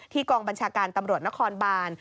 กองบัญชาการตำรวจนครบาน